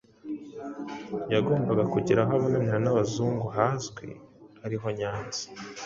Yagombaga kugira aho abonanira n'Abazungu hazwi, ariho Nyanza.